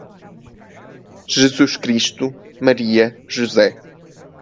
Jesus Cristo, Maria, José